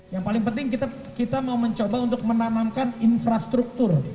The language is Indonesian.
yang paling penting kita mau mencoba untuk menanamkan infrastruktur